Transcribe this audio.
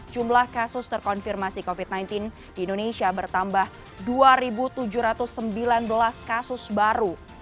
jumlah kasus terkonfirmasi covid sembilan belas di indonesia bertambah dua tujuh ratus sembilan belas kasus baru